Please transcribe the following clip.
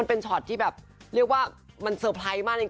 เห็นชอตที่เรียกว่าเซอร์ไพรส์มากจริง